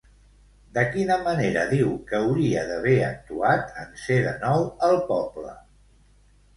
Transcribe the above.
De quina manera diu que hauria d'haver actuat en ser de nou al poble?